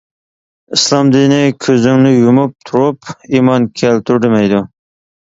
ئىسلام دىنى كۆزۈڭنى يۇمۇپ تۇرۇپ ئىمان كەلتۈر دېمەيدۇ.